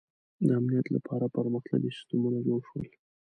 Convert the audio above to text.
• د امنیت لپاره پرمختللي سیستمونه جوړ شول.